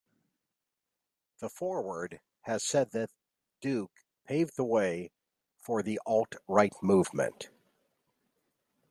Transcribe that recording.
"The Forward" has said that Duke "paved the way" for the alt-right movement.